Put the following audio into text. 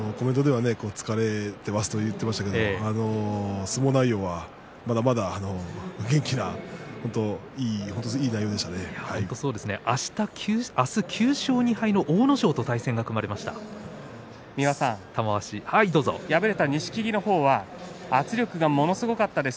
コメントでは疲れていると言っていましたけれども相撲内容はまだまだ明日９勝２敗の阿武咲と錦木のコメントです。